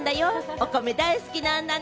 お米、大好きなんだね。